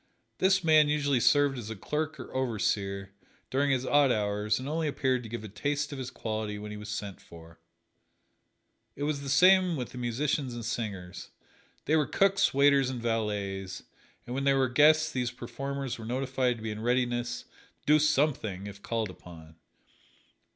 This man usually served as a clerk or overseer, during his odd hours, and only appeared to give a taste of his quality when he was sent for. It was the same with the musicians and singers they were cooks, waiters and valets, and when there were guests these performers were notified to be in readiness to "do something" if called upon.